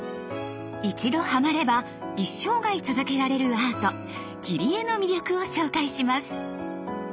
一度ハマれば一生涯続けられるアート「切り絵」の魅力を紹介します。